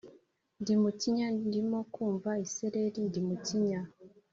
ndi mukinya, ndimo kumva isereri ndi mukinya,